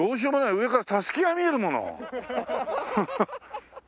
上からたすきが見えるもの。